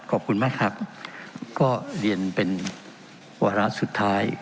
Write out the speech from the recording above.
ขอบคุณมากครับก็เรียนเป็นวาระสุดท้าย